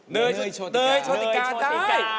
เนยโชติกาได้